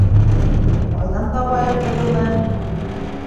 Ҡайҙан табайыҡ беҙ уны?